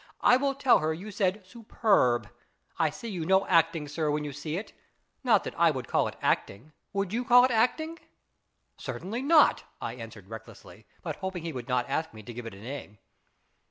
1 will tell her you said superb. I see you know acting, sir, when you see it. Not that I would call it acting. Would you call it acting ?"" Certainly not," I answered recklessly, but hoping he would not ask me to give it a name.